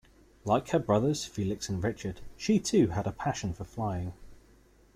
Like her brothers, Felix and Richard, she too had a passion for flying.